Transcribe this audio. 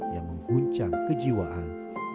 yang mengguncang kejiwaan